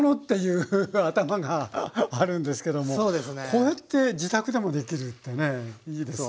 こうやって自宅でもできるってねいいですね。